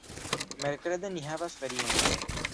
Merkrede ni havas ferion.